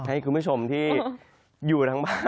ผมเห็นคุณวางโทรศัพท์ไว้ตรงนี้